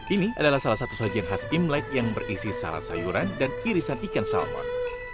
ini adalah salah satu sajian khas imlek yang berisi salad sayuran dan irisan ikan salmon